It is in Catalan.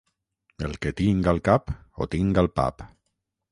El que tinc al cap, ho tinc al pap.